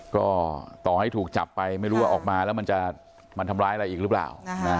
ก็ต่อให้ถูกจับไปไม่รู้ว่าออกมาแล้วมันจะมันทำร้ายอะไรอีกหรือเปล่า